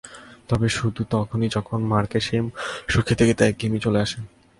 তবে শুধু তখনই যখন মার্কের সেই মাংস খেতে খেতে একঘেয়েমি চলে আসে।